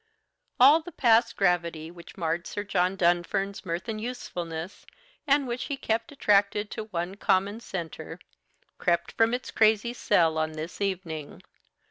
All the past gravity which marred Sir John Dunfern's mirth and usefulness, and which he kept attracted to one common centre, crept from its crazy cell on this evening.